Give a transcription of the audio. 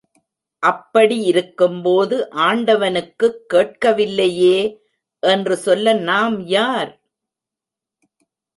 அப்படி இருக்கும்போது ஆண்டவனுக்குக் கேட்கவில்லையே என்று சொல்ல நாம் யார்?